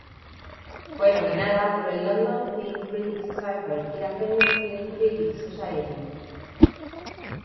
Fue nominada por el London Film Critics' Circle y la Phoenix Film Critics Society.